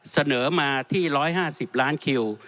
เสนอมาที่๑๕๐ล้านคิว